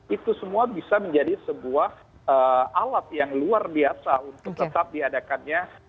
itu semua bisa menjadi sebuah alat yang luar biasa untuk tetap diadakannya